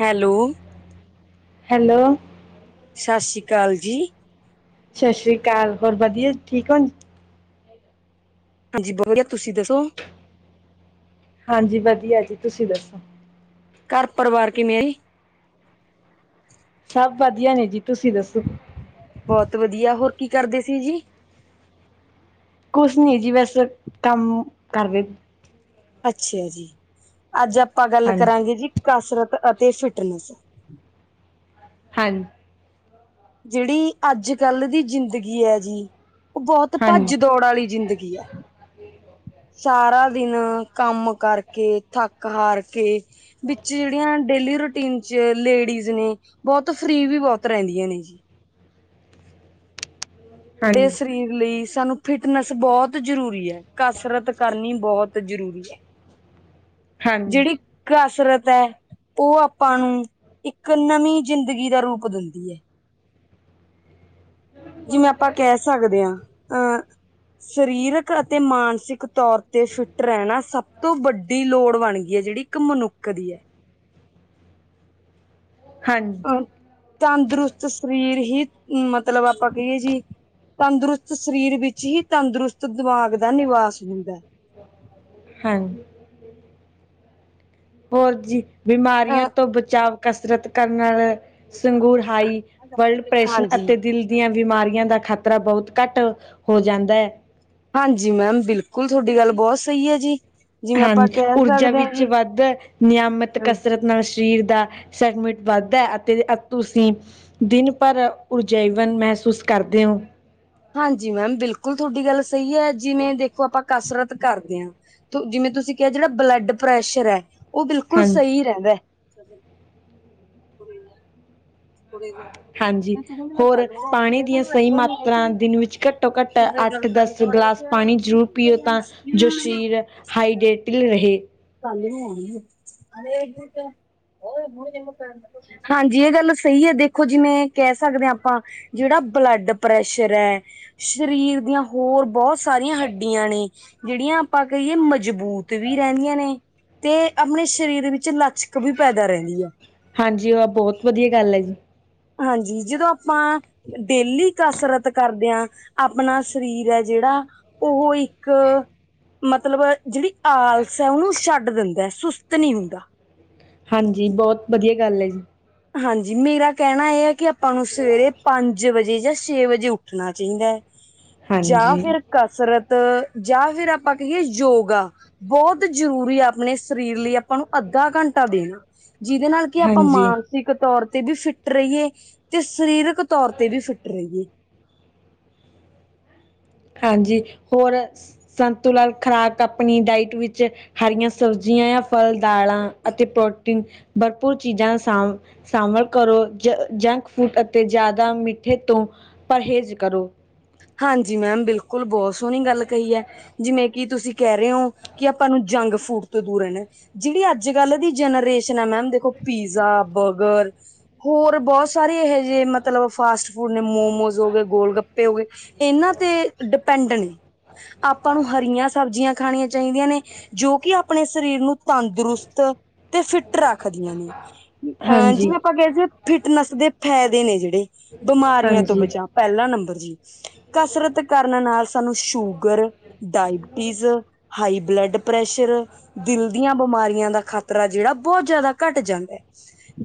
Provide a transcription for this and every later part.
Hello. Hello ਸਾਸੀ ਕਾਲ ਜੀ। ਸ਼ਾਸਰੀ ਕਾਲ ਹੋਰ ਵਧੀਆ ਜੀ ਠੀਕ ਓ ਜੀ। ਹਾਂਜੀ ਬੋਤ ਵਧੀਆ ਤੁਸੀਂ ਦੱਸੋ। ਹਾਂਜੀ ਵਧੀਆ ਜੀ ਤੁਸੀਂ ਦੱਸੋ। ਘਰ ਪਰਵਾਰ ਕਿਵੇਂ ਆ ਈ। ਸਭ ਵਧੀਆ ਨੇ ਜੀ ਤੁਸੀਂ ਦੱਸੋ। ਬੋਤ ਵਧੀਆ ਹੋਰ ਕੀ ਕਰਦੇ ਸੀ ਜੀ। ਕੁਛ ਨੀ ਜੀ ਬੈਸ, ਕੰਮ ਕਰਦੇ। ਅੱਛਾ ਜੀ ਅੱਜ ਆਪਾਂ ਗੱਲ ਹਾਂਜੀ ਕਰਾਂਗੇ ਜੀ ਕਸਰਤ ਅਤੇ ਫਿਟਨੈਸ। ਹਾਂ ਜੜੀ ਅੱਜ ਕੱਲ ਦੀ ਜ਼ਿੰਦਗੀ ਐ, ਜੀ ਓ ਬੋਤ ਹਾਂਜੀ ਭੱਜ ਦੌੜ ਆਲੀ ਜ਼ਿੰਦਗੀ ਐ। ਸਾਰਾ ਦਿਨ ਕੰਮ ਕਰਕੇ, ਥੱਕ ਹਾਰ ਕੇ। ਵਿੱਚ ਜੇੜੀਆਂ ਡੇਲੀ ਰੂਟੀਨ 'ਚ ਲੇਡੀਜ਼ ਨੇ। ਬੋਤ ਫ੍ਰੀ ਵੀ ਬੋਤ ਰੈਂਦੀਆਂ ਨੇ ਜੀ। ਡੇ ਹਾਂਜੀ ਸਰੀਰ ਲਈ ਸਾਨੂੰ ਫਿਟਨੈਸ ਬੋਤ ਜ਼ਰੂਰੀ ਐ, ਕਸਰਤ ਕਰਨੀ ਬੋਤ ਜ਼ਰੂਰੀ ਐ, ਹਾਂਜੀ ਜੇੜੀ ਕਸਰਤ ਐ, ਓ ਆਪਾਂ ਨੂੰ ਇੱਕ ਨਵੀਂ ਜ਼ਿੰਦਗੀ ਦਾ ਰੂਪ ਦਿੰਦੀ ਐ। ਜਿਵੇਂ ਆਪਾਂ ਕੈ ਸਕਦੇ ਆਂ, ਆ ਸਰੀਰਕ ਅਤੇ ਮਾਨਸਿਕ ਤੌਰ ਤੇ ਫਿੱਟ ਰੈਣਾ ਸਭ ਤੋਂ ਵੱਡੀ ਲੋੜ ਬਣ ਗੀ, ਜੇੜੀ ਇੱਕ ਮਨੁੱਖ ਦੀ ਐ। ਹਾਂ ਤੰਦਰੁਸਤ ਸਰੀਰ ਹੀ ਮਤਲਬ ਆਪਾ ਕਈਏ ਜੀ‌। ਤੰਦਰੁਸਤ ਸਰੀਰ ਵਿੱਚ ਹੀ ਤੰਦਰੁਸਤ ਦਿਮਾਗ ਦਾ ਨਿਵਾਸ ਹੁੰਦਾ। -ਹਾਂ ਹੋਰ ਜੀ, ਬਿਮਾਰੀਆਂ ਤੋਂ ਬਚਾਵ ਕਸਰਤ ਕਰਨ ਨਾਲ, ਸੰਗੂਰ ਹਾਈ ਬਲਡ ਅਹ ਪ੍ਰੈਸ਼ਨ ਹਾਂਜੀ ਅਤੇ ਦਿਲ ਦੀਆਂ ਬਿਮਾਰੀਆਂ ਦਾ ਖ਼ਤਰਾ ਬਹੁਤ ਘੱਟ ਹੋ ਜਾਂਦਾ ਐ। ਹਾਂਜੀ ਮੈਮ ਬਿਲਕੁਲ, ਤੁਆਡੀ ਗੱਲ ਬੋਤ ਸਈ ਐ ਜੀ। ਜਿਵੇਂ ਹਾਂ, ਆਪਾਂ ਕਹਿ ਊਰਜਾ ਸਕਦੇ ਹਾਂ ਵਿੱਚ ਜੀ ਵੱਧ ਦੈ, ਨਯਾਮਤ ਕਸਰਤ ਨਾਲ ਸ਼ਰੀਰ ਦਾ ਸੈਗਮੈਂਟ ਵੱਧਦੈ ਅਤੇ ਅ ਤੁਸੀਂ ਦਿਨ ਭਰ ਉਰਜੈਵਨ ਮਹਿਸੂਸ ਕਰਦੇ ਓ। ਹਾਂਜੀ ਮੈਮ ਬਿਲਕੁਲ, ਤੁਹਾਡੀ ਗੱਲ ਸਈ ਐ, ਜਿਵੇਂ ਦੇਖੋ ਆਪਾਂ ਕਸਰਤ ਕਰਦੇ ਆ, ਜਿਵੇਂ ਤੁਸੀਂ ਕਿਆ ਜੇੜਾ ਬਲੱਡ ਪ੍ਰੈਸ਼ਰ ਐ ਓ ਬਿਲਕੁਲ ਹਾਂਜੀ ਸਈ ਰੈਂਦੈ। ਕੁੜੇ ਗਿਆ ਹਾਂਜੀ, ਹੋਰ ਪਾਣੀ ਦੀਆਂ ਸਈ ਲੱਗਦਾ ਨੀ ਹੈ ਮਾਤਰਾ ਕਿ ਦਿਨ ਵਿੱਚ ਘੱਟੋ- ਘੱਟ ਉਰੇ ਗੱਲ ਅੱਟ, ਕਰਨੀ ਦਸ ਥੋੜਾ ਗਲਾਸ ਜਿਹਾ ਪਾਣੀ ਜ਼ਰੂਰ ਪੀਓ ਤਾਂ ਜੋ ਸ਼ਰੀਰ ਹਾਈਡੇਟਡ ਰਹੇ। ਕੱਲ ਨੂੰ ਆਉਣਗੇ। ਅਰੇ ਏਕ [unintelligible] ਹਾਂਜੀ ਏ ਗੱਲ ਸਹੀ ਹੈ ਦੇਖੋ ਜਿਵੇਂ ਕੈ ਸਕਦੇ ਆ ਆਪਾਂ ਜੇੜਾ ਬਲੱਡ ਪ੍ਰੈਸ਼ਰ ਹੈ ਸ਼ਰੀਰ ਦੀਆਂ ਹੋਰ ਬੋਤ ਸਾਰੀਆਂ ਹੱਡੀਆਂ ਨੇ ਜੇੜ੍ਹੀਆਂ ਆਪਾਂ ਕਈਏ ਮਜ਼ਬੂਤ ਵੀ ਰੈਂਨੀਆਂ ਨੇ ਤੇ ਅਪਣੇ ਸ਼ਰੀਰ ਵਿੱਚ ਲਚਕ ਵੀ ਪੈਦਾ ਰੈਗੀ ਐ। ਹਾਂਜੀ ਉਹ ਬਹੁਤ ਵਧੀਆ ਗੱਲ ਐ ਜੀ। ਹਾਂਜੀ, ਜਦੋਂ ਆਪਾਂ ਡੇਲੀ ਕਸਰਤ ਕਰਦੇ ਆ, ਆਪਣਾ ਸ਼ਰੀਰ ਐ ਜੇੜਾ ਉਹੋ ਇੱਕ ਮਤਲਬ ਜੇੜੀ ਆਲਸ ਐ ਉਨੂੰ ਛੱਡ ਦਿੰਦੈ ਸੁਸਤ ਨੀ ਹੁੰਦਾ। ਹਾਂਜੀ, ਬਹੁਤ ਵਧੀਆ ਗੱਲ ਏ। ਹਾਂਜੀ, ਮੇਰਾ ਕੈਣਾ ਏ ਹੈ ਕਿ ਆਪਾਂ ਨੂੰ ਸਵੇਰੇ ਪੰਜ ਪੰਜ ਵਜੇ ਯਾਂ ਛੇ ਵਜੇ ਉੱਠਣਾ ਚਾਈਦੈ ਜਾਂ ਹਾਂਜੀ ਫੇਰ ਕਸਰਤ ਜਾਂ ਫਿਰ ਆਪਾਂ ਕਹੀਏ ਯੋਗਾ ਬਹੁਤ ਜ਼ਰੂਰੀ ਆ ਆਪਣੇ ਸਰੀਰ ਲਈ ਆਪਾਂ ਨੂੰ ਅੱਧਾ ਘੰਟਾ ਦੇਨੈ ਜਿਦੇ ਨਾਲ ਕਿ ਆਪਾਂ ਹਾਂਜੀ ਮਾਨ ਮਾਨਸਿਕ ਤੌਰ ਤੇ ਵੀ ਫਿੱਟ ਰਈਏ ਤੇ ਸਰੀਰਕ ਤੌਰ ਤੇ ਵੀ ਫਿੱਟ ਰਈਏ। ਹਾਂਜੀ ਹੋਰ, ਸੰਤੁਲਨ ਖਰਾਕ ਅਪਨੀ ਡਾਇਟ ਵਿੱਚ ਹਰੀਆਂ ਸਬਜ਼ੀਆਂ ਯਾਂ ਫਲ -ਦਾਲਾਂ ਅਤੇ ਪ੍ਰੋਟੀਨ ਭਰਪੂਰ ਚੀਜ਼ਾਂ ਦਾ ਸਾ ਸਾਂਵਲ ਕਰੋ ਜ- ਜੰਕ ਫੂਡ ਅਤੇ ਜਾਦਾ ਮਿੱਠੇ ਤੋਂ ਪਰਹੇਜ਼ ਕਰੋ। ਹਾਂਜੀ ਮੈਮ ਬਿਲਕੁਲ ਬਹੁਤ ਸੋਣੀ ਗੱਲ ਕਹੀ ਹੈ ਜਿਵੇਂ ਕਿ ਕੀ ਤੁਸੀਂ ਕੈ ਰੇ ਓ ਕਿ ਆਪਾਂ ਨੂੰ ਜੰਗ-ਫੂਡ ਤੋਂ ਦੂਰ ਰਹਿਣਾ ਜੇੜੀ ਅੱਜ ਕੱਲ੍ਹ ਦੀ ਜਨਰੇਸ਼ਨ ਐ ਮੈਮ ਦੇਖੋ ਪੀਜ਼ਾ, ਬਰਗਰ ਹੋਰ ਬੋਤ ਸਾਰੇ ਇਹੇ ਜੇ ਮਤਲਬ ਫਾਸਟ ਫੂਡ ਨੇ ਮੋਮੋਜ ਹੋ ਗਏ, ਗੋਲ - ਗੱਪੇ ਹੋ ਗਏ ਏਨਾਂ ਤੇ ਡਿਪੈਂਡ ਨੀ। ਆਪਾਂ ਨੂੰ ਹਰੀਆਂ ਸਬਜ਼ੀਆਂ ਖਾਣੀਆਂ ਚਾਈਦੀਆਂ ਨੇ ਜੋ ਕਿ ਅਪਣੇ ਸਰੀਰ ਨੂੰ ਤੰਦਰੁਸਤ ਤੇ ਫਿੱਟ ਰੱਖਦੀਆਂ ਨੇ, ਅ ਹਾਂਜੀ ਜਿਵੇਂ ਆਪਾਂ ਕਿਆ ਸੀ ਫਿਟਨੈਸ ਦੇ ਫ਼ੈਦੈ ਨੇ ਜੇੜੇ, ਬਿਮਾਰੀਆਂ ਤੋਂ ਹਾਂਜੀ ਬਚਾਅ ਪੈਲਾ ਨੰਬਰ ਜੀ। ਕਸਰਤ ਕਰਨ ਨਾਲ ਸਾਨੂੰ sugar, diabetes, high blood pressure, ਦਿਲ ਦੀਆਂ ਬਿਮਾਰੀਆਂ ਦਾ ਖ਼ਤਰਾ ਜੇੜਾ ਬੋਤ ਜਾਦਾ ਘੱਟ ਜਾਂਦੈ।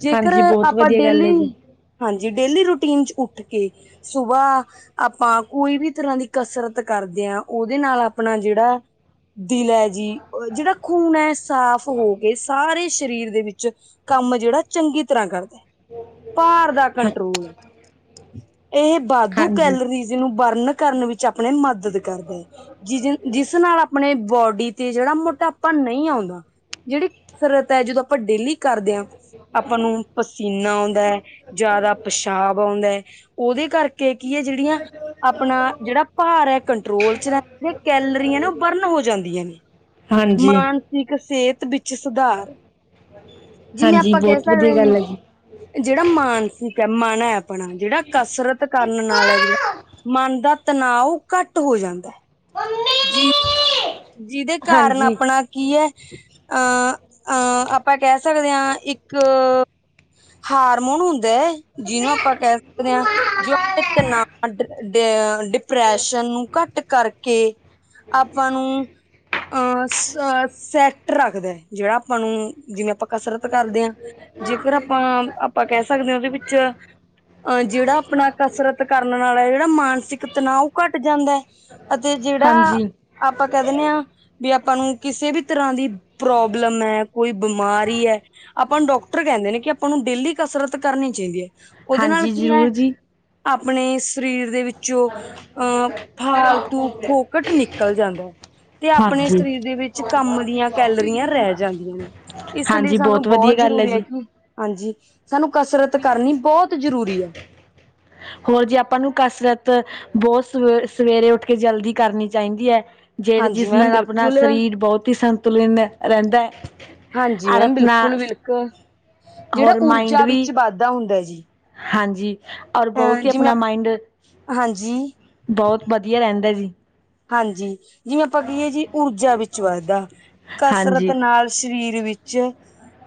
ਜੇਕਰ ਹਾਂਜੀ ਬਹੁਤ ਆਪਾਂ ਵਧੀਆ ਗੱਲ ਹੈ ਜੀ ਡੇਲੀ ਹਾਂਜੀ, ਡੇਲੀ ਰੂਟੀਨ ਚ ਉੱਠ ਕੇ ਸੁਬਾਅ ਆਪਾਂ ਕੋਈ ਵੀ ਤਰ੍ਹਾਂ ਦੀ ਕਸਰਤ ਕਰਦੇ ਆ ਓਦੇ ਨਾਲ ਅਪਨਾ ਜੇੜਾ ਦਿਲ ਹੈ ਜੀ ਉਹ ਜਿਹੜਾ ਖੂਨ ਐ ਸਾਫ ਹੋ ਕੇ ਸਾਰੇ ਸਰੀਰ ਦੇ ਵਿੱਚ ਕੰਮ ਜਿਹੜਾ ਚੰਗੀ ਤਰ੍ਹਾਂ ਕਰ ਭਾਰ ਦਾ ਹਾਂ ਕੰਟਰੋਲ ਇਹ ਵਾਧੂ ਹਾਂਜੀ ਕਿਸੇ ਨੂੰ ਬਰਨ ਕਰਨ ਵਿੱਚ ਆਪਣੇ ਮਦਦ ਕਰਦਾ ਐ ਜਿ ਜਿਸ ਨਾਲ ਆਪਣੇ ਬੋਡੀ ਤੇ ਜਿਹੜਾ ਮੋਟਾਪਾ ਨਹੀਂ ਆਉਂਦਾ ਜਿਹੜੀ ਕਸਰਤ ਐ ਜਦੋਂ ਆਪਾਂ ਡੇਲੀ ਕਰ ਦਿਆਂ ਆਪਾਂ ਨੂੰ ਪਸੀਨਾ ਆਉਂਦਾ ਜ਼ਿਆਦਾ ਪਿਸ਼ਾਬ ਆਉਂਦਾ ਉਹਦੇ ਕਰਕੇ ਕੀ ਏ ਜਿਹੜੀਆਂ ਆਪਣਾ ਜਿਹੜਾ ਭਾਰ ਹੈ ਕੰਟਰੋਲ ' ਚ ਰਹਿੰਦਾ ਕੈਲਰੀ ਆਂ ਨਾ ਉਹ ਬਰਨ ਹੋ ਜਾਂਦੀਆਂ ਨੇ। ਹਾਂਜੀ ਮਾਨਸਿਕ ਸਿਹਤ ਵੀ ਸੁਧਾਰ ਜਿਵੇਂ ਹਾਂਜੀ ਆਪਾਂ ਕਹਿ ਬਹੁਤ ਸਕਦੇ ਵਧੀਆ ਆਂ ਗੱਲ ਜੀ ਹੈ ਜਿਹੜਾ ਮਾਨਸਿਕ ਐ ਮਨ ਐ ਆਪਣਾ ਜਿਹੜਾ ਕਸਰਤ ਜੀ ਕਰਨ ਨਾਲ ਐ ਜਿਹੜਾ ਮਨ ਦਾ ਤਣਾਓ ਘੱਟ ਹੋ ਜਾਂਦਾ ਜੀ ਜਿਹਦੇ ਕਾਰਨ ਹਾਂਜੀ ਆਪਣਾ ਕੀ ਐ ਅਹ ਆ ਆਪਾਂ ਕਹਿ ਕਹਿ ਸਕਦੇ ਹਾਂ ਇੱਕ ਹਾਰਮੋਨ ਹੁੰਦਾ ਏ। ਜਿਹਨੂੰ ਆਪਾਂ ਕਹਿ ਸਕਦੇ ਹਾਂ ਜੋ [unintelligible] ਡਿਪਰੈਸ਼ਨ ਨੂੰ ਘੱਟ ਕਰਕੇ ਆਪਾਂ ਨੂੰ ਅਹ ਸੈਂਟ ਰੱਖਦਾ ਜਿਹੜਾ ਆਪਾਂ ਨੂੰ। ਜਿਵੇਂ ਆਪਾਂ ਕਸਰਤ ਕਰਦੇ ਹਾਂ ਜੇਕਰ ਆਪਾਂ ਆਪਾਂ ਕਹਿ ਸਕਦੇ ਹਾਂ ਉਹਦੇ ਵਿੱਚ ਅਹ ਜਿਹੜਾ ਆਪਣਾ ਕਸਰਤ ਕਰਨ ਨਾਲ ਜਿਹੜਾ ਮਾਨਸਿਕ ਤਨਾਓ ਉਹ ਘੱਟ ਜਾਂਦਾ। ਤੇ ਜਿਹੜਾ ਹਾਂਜੀ ਆਪਾਂ ਕਹਿ ਦਿੰਦੇ ਆ ਵੀ ਆਪਾਂ ਨੂੰ ਕਿਸੇ ਵੀ ਤਰ੍ਹਾਂ ਦੀ ਪ੍ਰੋਬਲਮ ਐ, ਕੋਈ ਬਿਮਾਰੀ ਐ ਆਪਾਂ ਨੂੰ ਡਾਕਟਰ ਕਹਿੰਦੇ ਨੇ ਕਿ ਆਪਾਂ ਨੂੰ ਡੇਲੀ ਕਸਰਤ ਕਰਨੀ ਚਾਹੀਦੀ ਹੈ। ਉਹਦੇ ਨਾਲ ਹਾਂਜੀ ਕੀ ਹੈ ਜ਼ਰੂਰ ਜੀ। ਆਪਣੇ ਸਰੀਰ ਦੇ ਵਿੱ 'ਚ ਫਾਲਤੂ ਫੋਕਟ ਨਿਕਲ ਜਾਂਦਾ। ਤੇ ਆਪਣੇ ਹਾਂਜੀ। ਸਰੀਰ ਦੇ ਵਿੱਚ ਕੰਮ ਦੀਆਂ ਕੈਲਰੀਆਂ ਰਹਿ ਜਾਂਦੀਆਂ ਨੇ। ਇਸ ਲਈ ਹਾਂਜੀ ਸਾਨੂੰ ਬਹੁਤ ਵਧੀਆ ਗੱਲ ਜ਼ਰੂਰੀ ਹੈ। ਜੀ। ਹਾਂਜੀ, ਸਾਨੂੰ ਕਸਰਤ ਕਰਨੀ ਬਹੁਤ ਜ਼ਰੂਰੀ ਹੈ। ਹੋਰ ਜੀ ਆਪਾਂ ਨੂੰ ਕਸਰਤ ਬਹੁਤ ਸ ਸਵੇਰੇ ਉੱਠ ਕੇ ਜਲਦੀ ਕਰਨੀ ਚਾਹੀਦੀ ਹੈ। ਜਿਹੜੇ ਹਾਂਜੀ ਜਿਸ ਮੈਮ ਨਾਲ ਆਪਣਾ ਬਿਲਕੁਲ ਸਰੀਰ ਬਹੁਤ ਹੀ ਸੰਤੁਲਿਨ ਰਹਿੰਦਾ। ਹਾਂਜੀ ਔਰ ਮੈਮ ਆਪਣਾ ਬਿਲਕੁਲ ਬਿਲਕੁਲ, ਜਿਹੜਾ ਹੋਰ ਮਾਇੰਡ ਊਰਜਾ ਵੀ ਵਿੱਚ ਵਾਧਾ ਹੁੰਦਾ ਜੀ। ਹਾਂਜੀ, ਔਰ ਅਹ ਬਹੁਤ ਹੀ ਜਿਵੇਂ ਆਪਣਾ ਮਾਇੰਡ ਹਾਂਜੀ ਬਹੁਤ ਵਧੀਆ ਰਹਿੰਦਾ ਜੀ। ਹਾਂਜੀ ਜਿਵੇਂ ਆਪਾਂ ਕਹੀਏ ਜੀ, ਊਰਜਾ ਵਿੱਚ ਵਾਧਾ ਕਸਰਤ ਹਾਂਜੀ। ਨਾਲ ਸਰੀਰ ਵਿੱਚ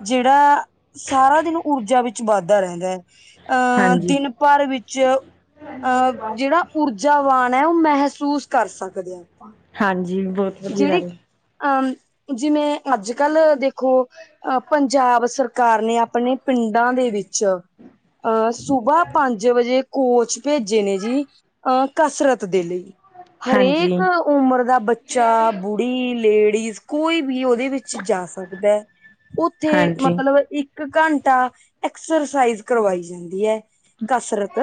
ਜਿਹੜਾ ਸਾਰਾ ਦਿਨ ਊਰਜਾ ਵਿੱਚ ਵਾਧਾ ਰਹਿੰਦਾ। ਅਹ ਹਾਂਜੀ, ਦਿਨ ਭਰ ਵਿੱਚ ਅਹ ਜਿਹੜਾ ਊਰਜਾਵਾਨ ਹੈ, ਉਹ ਮਹਿਸੂਸ ਕਰ ਸਕਦੇ ਹਾਂ ਆਪਾਂ। ਹਾਂਜੀ ਬਹੁਤ ਵਧੀਆ ਜਿਹੜੇ ਗੱਲ ਹੈ ਅਹ ਜਿਵੇਂ ਅੱਜ ਕੱਲ ਦੇਖੋ ਅਹ ਪੰਜਾਬ ਸਰਕਾਰ ਨੇ ਆਪਣੇ ਪਿੰਡਾਂ ਦੇ ਵਿ 'ਚ ਸੁਬਾਹ ਪੰਜ ਵਜੇ ਕੋਚ ਭੇਜੇ ਨੇ ਜੀ, ਅਹ ਕਸਰਤ ਦੇ ਲਈ ਹਾਂਜੀ। ਹਰੇਕ ਉਮਰ ਦਾ ਬੱ ਬੱਚਾ, ਬੁੜੀ, ਲੇਡੀਜ਼ ਕੋਈ ਵੀ ਉਹਦੇ ਵਿੱਚ ਜਾ ਸਕਦਾ। ਉੱਥੇ ਹਾਂਜੀ, ਹਾਂਜੀ, ਮਤਲਬ ਇੱਕ ਘੰਟਾ ਐਕਸਰਸਾਈਜ਼ ਕਰਵਾਈ ਜਾਂਦੀ ਐ। ਕਸਰਤ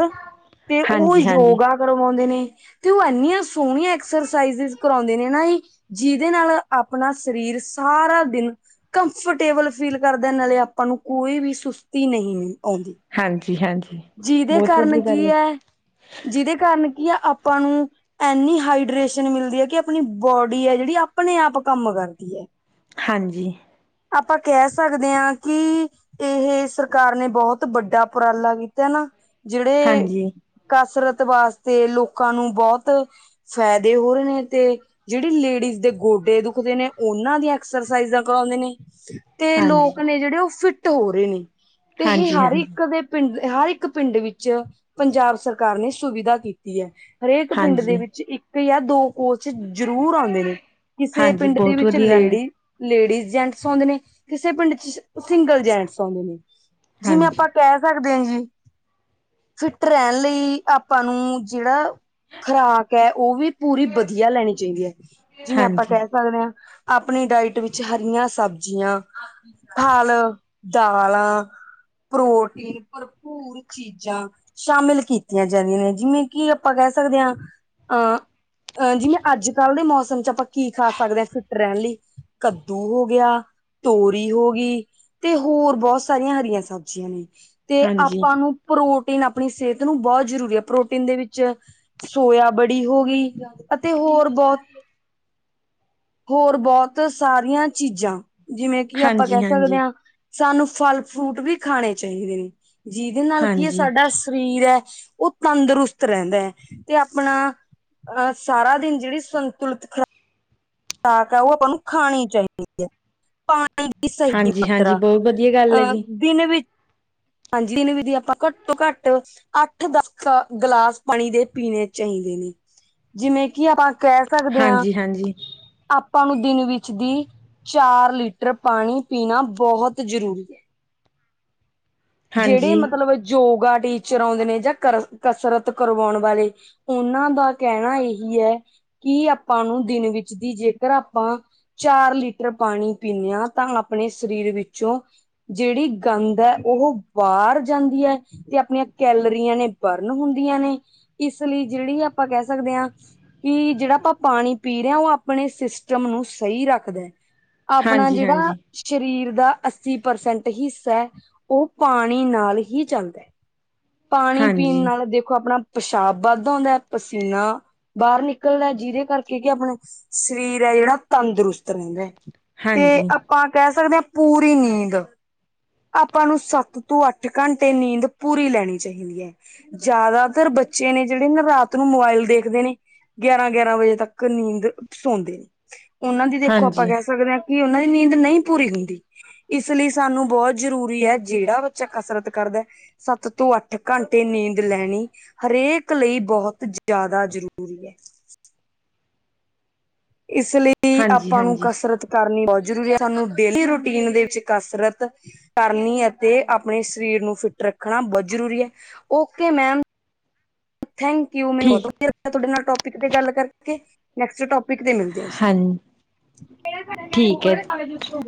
ਤੇ ਉਹੀ ਹਾਂਜੀ, ਜੋਗਾ ਕਰਵਾਉਂਦੇ ਨੇ ਤੇ ਓ ਐਂਨੀਆਂ ਸੋਣੀਆਂ ਐਕਸਰਸਾਈਜਿਜ ਕਰਾਉਂ ਦੇ ਦੇਨਾਂ ਈ, ਜਿਹਦੇ ਨਾਲ ਆਪਣਾ ਸਰੀਰ ਸਾਰਾ ਦਿਨ ਕੰਫਰਟੇਬਲ ਫੀਲ ਕਰਦੈ ਨਾਲੇ ਆਪਾਂ ਨੂੰ ਕੋਈ ਵੀ ਸੁਸਤੀ ਨਹੀਂ ਆਉਂਦੀ। ਹਾਂਜੀ ਹਾਂਜੀ। ਜਿਹਦੇ ਬਹੁਤ ਕਾਰਨ ਵਧੀਆ ਗੱਲ ਕੀ ਹੈ ਐ, ਜਿਹਦੇ ਕਾਰਨ ਕੀ ਐ ਆਪਾਂ ਨੂੰ ਐਨੀਂ ਹਾਈਡ੍ਰੇਸ਼ਨ ਮਿਲਦੀ ਐ ਕਿ ਆਪਣੀ ਬੋਡੀ ਐ ਜੇੜੀ ਆਪਣੇ ਆਪ ਕੰਮ ਕਰਦੀ ਐ। ਹਾਂਜੀ। ਆਪਾਂ ਕੈ ਸਕਦੇ ਆਂ ਕਿ ਇਹੇ ਸਰਕਾਰ ਨੇਂ ਬਹੁਤ ਵੱਡਾ ਉਪਰਾਲਾ ਕੀਤਾ ਨਾਂ, ਜੇੜੇ ਹਾਂਜੀ, ਕਸਰਤ ਵਾਸਤੇ ਲੋਕਾਂ ਨੂੰ ਬੋਤ ਫੈਦੇ ਹੋ ਰੇ ਨੇਂ ਤੇ ਜੇੜੀ ਲੇਡੀਜ਼ ਦੇ ਗੋਡੇ ਦੁਖਦੇ ਨੇ, ਓਨਾਂ ਦੀਆਂ ਐਕਸਰਸਾਈਜ਼ਾਂ ਕਰਾਉਂਦੇ ਨੇ। ਤੇ ਹਾਂਜੀ, ਲੋਕ ਨੇ ਜੇੜੇ ਓ ਫਿੱਟ ਹੋ ਰੇ ਨੇਂ ਤੇ ਇਹ ਹਾਂਜੀ, ਹਰ ਹਾਂਜੀ, ਇੱਕ ਦੇ ਪਿੰਡ ਤੇ ਹਰ ਇੱਕ ਪਿੰਡ ਵਿੱਚ ਪੰਜਾਬ ਸਰਕਾਰ ਨੇ ਸੁਵਿਧਾ ਕੀਤ ਈ ਐ। ਹਰੇਕ ਪਿੰਡ ਦੇ ਹਾਂਜੀ। ਵਿੱਚ ਇੱਕ ਜਾਂ ਦੋ [unintelligible] ਚ ਜ਼ਰੂਰ ਆਂਦੇ ਨੇ। ਕਿਸੇ ਹਾਂਜੀ, ਪਿੰਡ ਦੇ ਬਹੁਤ ਵਿੱਚ ਵਧੀਆ ਗੱਲ ਹੈ। ਲੇਡੀ ਲੇਡੀਜ਼ ਜੈਂਟਸ ਆਉਂਦੇ ਨੇ, ਕਿਸੇ ਪਿੰਡ ਚ ਸਿੰਗਲ ਜੈਂਟਸ ਆਉਂਦੇ ਨੇ। ਜਿਵੇਂ ਹਾਂਜੀ, ਆਪਾਂ ਕੈ ਸਕਦੇ ਆ ਜੀ। ਫਿੱਟ ਰੈਣ ਲਈ ਆਪਾਂ ਨੂੰ ਜੇੜਾ ਖੁਰਾਕ ਐ, ਓ ਵੀ ਪੂਰੀ ਵਧੀਆ ਲੈਣੀ ਚਾਈਦੀ ਐ, ਜਿਵੇਂ ਆਪਾਂ ਹਾਂਜੀ, ਕੈ ਸਕਣੇ ਆਂ ਆਪਣੀ ਡਾਇਟ ਵਿੱਚ ਹਰੀਆਂ ਸਬਜ਼ੀਆਂ ਫਲ, ਦਾਲਾਂ, ਪ੍ਰੋਟੀਨ ਭਰਪੂਰ ਚੀਜ਼ਾਂ ਸ਼ਾਮਿਲ ਕੀਤੀਆਂ ਜਾਂਦੀਆਂ ਨੇ ਜਿਵੇਂ ਕਿ ਆਪਾਂ ਕੈ ਸਕਦੇ ਆਂ। ਆਂ ਅਹ ਜਿਵੇਂ ਅੱਜ-ਕਲ ਦੇ ਮੌਸਮ ਚ ਆਪਾਂ ਕੀ ਖਾ ਸਕਦੇ ਆਂ ਫਿੱਟ ਰੈਣ ਲਈ। ਕੱਦੂ ਹੋ ਗਿਆ ਤੋਰੀ ਹੋ ਗੀ ਤੇ ਹੋਰ ਬੋਤ ਸਾਰੀਆਂ ਹਰੀਆਂ ਸਬਜ਼ੀਆਂ ਨੇ। ਤੇ ਹਾਂਜੀ, ਆਪਾਂ ਨੂੰ ਪ੍ਰੋਟੀਨ ਆਪਣੀ ਸਿਹਤ ਨੂੰ ਬੋਤ ਜ਼ਰੂਰੀ ਆ। ਪ੍ਰੋਟੀਨ ਦੇ ਵਿੱਚ ਸੋਇਆ ਵੜੀ ਹੋ ਗੀ ਅਤੇ ਹੋਰ ਬੋਤ ਹੋਰ ਬੋਤ ਸਾਰੀਆਂ ਚੀਜ਼ਾਂ ਜਿਵੇਂ ਕਿ ਆਪਾਂ ਕੈ ਹਾਂਜੀ, ਸਕਦੇ ਹਾਂਜੀ। ਆਂ, ਸਾਨੂੰ ਫਲ ਫਰੂਟ ਵੀ ਖਾਣੇ ਚਾਈਦੇ ਨੇਂ। ਜੀਦੇ ਨਾਲ ਕੀ ਐ ਹਾਂਜੀ, ਸਾਡਾ ਸਰੀਰ ਐ ਓ ਤੰਦਰੁਸਤ ਰੈਂਦਾ ਤੇ ਆਪਣਾ ਅਹ ਸਾਰਾ ਦਿਨ ਜੇੜੀ ਸੰਤੁਲਿਤ ਖਰਾ ਰਾਕ ਆ ਓ ਤੁਆਨੂੰ ਖਾਣੀ ਚਾਹੀਦੀ ਐ। ਪਾਣੀ ਦੀ ਸਹੀ ਹਾਂਜੀ, ਹਾਂਜੀ ਮਾਤਰਾ ਬਹੁਤ ਵਧੀਆ ਗੱਲ ਹੈ ਅਹ ਜੀ। ਦਿਨ ਵਿੱਚ ਹਾਂਜੀ, ਦਿਨ ਵਿਦੀ ਆਪਾਂ ਘੱਟੋ-ਘੱਟ ਅੱਠ-ਦਸ ਗਲਾਸ ਪਾਣੀ ਦੇ ਪੀਣੇ ਚਾਹੀਦੇ ਨੇ। ਜਿਵੇਂ ਕਿ ਆਪਾਂ ਕੈ ਸਕਦੇ ਆਂ ਹਾਂਜੀ, ਹਾਂਜੀ। ਆਪਾਂ ਨੂੰ ਦਿਨ ਵਿੱਚ ਦੀ ਚਾਰ ਲੀਟਰ ਪਾਣੀ ਪੀਣਾ ਬਹੁਤ ਜ਼ਰੂਰੀ। ਜੇੜੇ ਹਾਂਜੀ। ਮਤਲਬ ਯੋਗਾ ਟੀਚਰ ਆਉਂਦੇ ਨੇ ਜਾਂ ਕਰਸ ਕਸਰਤ ਕਰਵਾਉਣ ਵਾਲੇ ਓਨਾਂ ਦਾ ਕੈਣਾ ਏਹੀ ਐ ਕਿ ਆਪਾਂ ਦਿਨ ਵਿੱਚ ਦੀ ਜੇਕਰ ਆਪਾਂ ਚਾਰ ਲੀਟਰ ਪਾਣੀ ਪੀਣੇ ਆਂ ਤਾਂ ਆਪਣੇ ਸਰੀਰ ਵਿੱਚੋਂ ਜੇੜੀ ਗੰਦ ਐ ਉਹ ਬਾਰ ਜਾਂਦੀ ਐ ਤੇ ਆਪਣੀਆਂ ਕੈਲਰੀਆਂ ਨੇ ਬਰਨ ਹੁੰਦੀਆਂ ਨੇਂ। ਇਸ ਲਈ ਜੇੜੀ ਆਪਾਂ ਕੈ ਸਕਦੇ ਆਂ ਕਿ ਜੇੜਾ ਆਪਾਂ ਪਾਣੀ ਪੀ ਰੇ ਆਂ ਓ ਆਪਣੇ ਸਿਸਟਮ ਨੂੰ ਸਈ ਰੱਖਦਾ। ਆਪਣਾ ਹਾਂਜੀ, ਜਿਹੜਾ ਆ ਹਾਂਜੀ, ਸਰੀਰ ਦਾ ਅੱਸੀ ਪ੍ਰਸੈਂਟ ਹਿੱਸਾ ਐ ਉਹ ਪਾਣੀ ਨਾਲ ਹੀ ਚੱਲਦਾ ਐ ਪਾਣੀ ਪੀਣ ਹਾਂਜੀ, ਨਾਲ ਦੇਖੋ ਆਪਣਾ ਪੇਸ਼ਾਬ ਵੱਧ ਆਉਂਦਾ ਐ ਪਸੀਨਾ ਆ ਬਾਹਰ ਨਿਕਲਦਾ ਐ ਜਿਹਦੇ ਕਰਕੇ ਕਿ ਆਪਣਾ ਸਰੀਰ ਐ ਜਿਹੜਾ ਤੰਦਰੁਸਤ ਰਹਿੰਦੇ ਐ ਹਾਂਜੀ ਈ ਪਾਂ ਆ ਕਹਿ ਸਕਦੇ ਆ ਪੂਰੀ ਨੀਂਦ ਆ ਆਪਾਂ ਨੂੰ ਸੱਤ ਤੋਂ ਅੱਠ ਘੰਟੇ ਏ ਨੀਂਦ ਪੂਰੀ ਲੈਣੀ ਚਾਹੀਦੀ ਐ ਜ਼ਿਆਦਾ ਤਰ ਬੱਚੇ ਨੇ ਜਿਹੜੇ ਨਾ ਰਾਤ ਨੂੰ ਮੋਬਾਇਲ ਦੇਖਦੇ ਨੇ ਏ ਗਿਆਰਾਂ ਆ ਗਿਆਰਾਂ ਆ ਵਜੇ ਤੱਕ ਨੀਂਦ ਸੌਂਦੇ ਨੇ ਉਹਨਾਂ ਦੀ ਦੇਖੋ ਆਪਾਂ ਹਾਂਜੀ। ਕਹਿ ਸਕਦੇ ਆ ਕਿ ਉਹਨਾਂ ਦੀ ਨੀਂਦ ਨਹੀਂ ਪੂਰੀ ਹੁੰਦੀ ਈ ਇਸ ਲਈ ਸਾਨੂੰ ਬਹੁਤ ਜ਼ਰੂਰੀ ਐ ਜਿਹੜਾ ਬੱਚਾ ਕਸਰਤ ਕਰਦਾ ਐ ਸੱਤ ਤੋਂ ਅੱਠ ਘੰਟੇ ਨੀਂਦ ਲੈਣੀ ਈ ਹਰੇਕ ਲਈ ਬਹੁਤ ਜ਼ਿਆਦਾ ਜ਼ਰੂਰੀ ਐ ਇਸ ਲਈ ਹਾਂਜੀ, ਆਪਾਂ ਨੂੰ ਹਾਂਜੀ ਕਸਰਤ ਆ ਕਰਨੀ ਬਹੁਤ ਜ਼ਰੂਰੀ ਐ ਸਾਨੂੰ ਡੇਲੀ ਰੂਟੀਨ ਦੇ ਵਿੱਚ ਕਸਰਤ ਕਰਨੀ ਈ ਅਤੇ ਆਪਣੇ ਸਰੀਰ ਨੂੰ ਫਿੱਟ ਰੱਖਣਾ ਬਹੁਤ ਜ਼ਰੂਰੀ ਐ ਓਕੇ ਮੈਮ ਐ ਥੈਂਕ ਯੂ ਮੈਨੂੰ ਠੀਕ, ਵਧੀ ਲੱਗਾ ਤੁਹਾਡੇ ਨਾਲ ਟੋਪਿਕ ਤੇ ਗੱਲ ਕਰਕੇ ਨੇਕਸਟ ਟੋਪਿਕ ਤੇ ਮਿਲਦੇ ਆ ਜੀ ਹਾਂ ਠੀਕ ਹੈ। ਈ